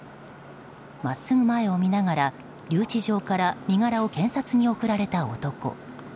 真っすぐ前を見ながら留置場から身柄を検察に送られた男。